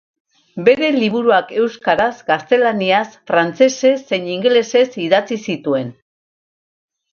Bere liburuak euskaraz, gaztelaniaz, frantsesez zein ingelesez idatzi zituen.